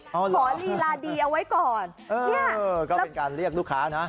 อ๋อเหรอขอเอาไว้ก่อนเหรอเหรอเขาก็เป็นการเรียกลูกค้านะ